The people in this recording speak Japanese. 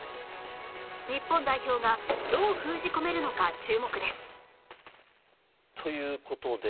日本代表がどう封じ込めるのか注目ですという事で